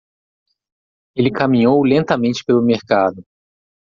Ele caminhou lentamente pelo mercado.